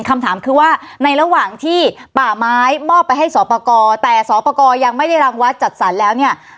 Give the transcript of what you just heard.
คำถามคือว่าในระหว่างที่ป่าไม้มอบไปให้สอปกรแต่สอปกรยังไม่ได้รังวัดจัดสรรแล้วเนี่ย